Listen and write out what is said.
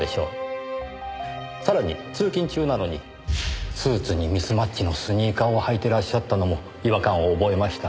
さらに通勤中なのにスーツにミスマッチのスニーカーを履いてらっしゃったのも違和感を覚えました。